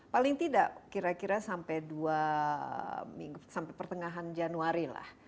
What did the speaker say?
paling tidak kira kira sampai dua minggu sampai pertengahan januari lah